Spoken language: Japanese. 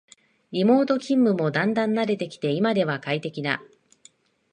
リモート勤務もだんだん慣れてきて今では快適だ